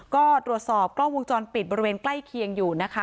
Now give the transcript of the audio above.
ก็ตรวจสอบกล้องวงจรปิดบริเวณใกล้เคียงอยู่นะคะ